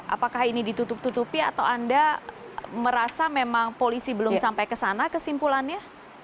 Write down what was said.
apakah ini ditutup tutupi atau anda merasa memang polisi belum sampai ke sana kesimpulannya